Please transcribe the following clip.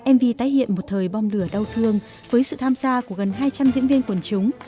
mv tái hiện một thời bom lửa đau thương với sự tham gia của gần hai trăm linh diễn viên quần chúng